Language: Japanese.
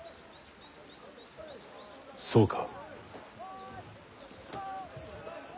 そうか。